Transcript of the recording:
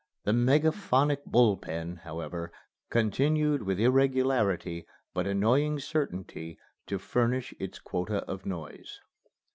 The megaphonic Bull Pen, however, continued with irregularity, but annoying certainty to furnish its quota of noise.